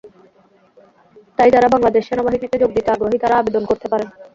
তাই যাঁরা বাংলাদেশ সেনাবাহিনীতে যোগ দিতে আগ্রহী তাঁরা আবেদন করতে পারেন।